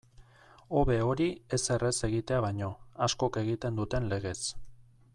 Hobe hori ezer ez egitea baino, askok egiten duten legez.